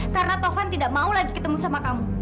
karena tovan tidak mau lagi ketemu sama kamu